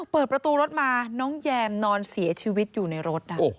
เปิดประตูรถมาน้องแยมนอนเสียชีวิตอยู่ในรถ